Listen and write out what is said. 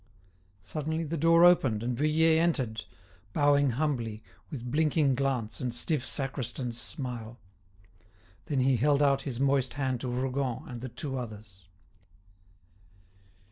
Suddenly the door opened and Vuillet entered, bowing humbly, with blinking glance and stiff sacristan's smile. Then he held out his moist hand to Rougon and the two others.